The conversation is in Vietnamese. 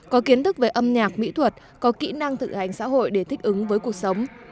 có kiến thức về âm nhạc mỹ thuật có kỹ năng thực hành xã hội để thích ứng với cuộc sống